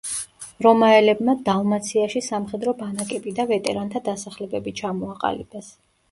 რომაელებმა დალმაციაში სამხედრო ბანაკები და ვეტერანთა დასახლებები ჩამოაყალიბეს.